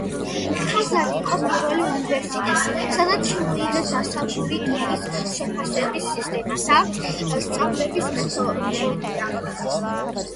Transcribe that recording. ხაზარი იყო პირველი უნივერსიტეტი, სადაც შემოიღეს დასავლური ტიპის შეფასების სისტემა და სწავლების მეთოდოლოგია.